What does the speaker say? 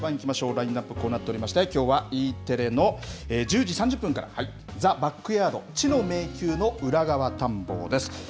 ラインナップ、こうなっておりまして、きょうはＥテレの１０時３０分から、ザ・バックヤード知の迷宮の裏側探訪です。